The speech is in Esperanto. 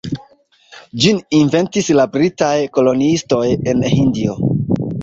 Ĝin inventis la britaj koloniistoj en Hindio.